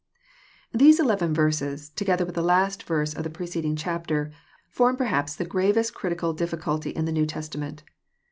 These eleven verses, together with the last verse of the pre ceding chapter, form perhaps the gravest critical difficulty in the New Testament.